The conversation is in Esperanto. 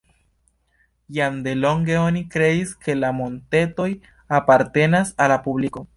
Jam delonge oni kredis, ke la montetoj apartenas al la publiko.